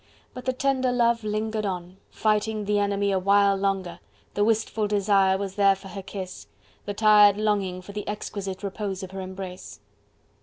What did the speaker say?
But the tender love lingered on, fighting the enemy a while longer, the wistful desire was there for her kiss, the tired longing for the exquisite repose of her embrace.